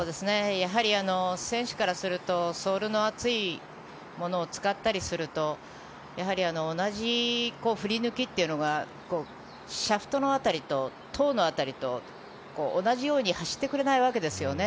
やはり選手からするとソールの厚いものを使ったりするとやはり同じ振り抜きというのがシャフトの辺りとトウの辺りと同じように走ってくれないわけですね。